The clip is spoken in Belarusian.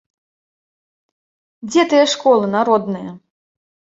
Дзе тыя школы народныя?